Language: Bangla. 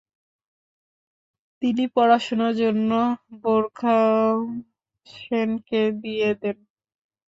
তিনি পড়াশোনার জন্য বোর্খাউসেনকে দিয়ে দেন।